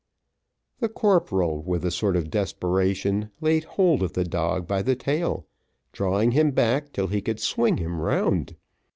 The corporal, with a sort of desperation, laid hold of the dog by the tail, drawing him back till he could swing him round.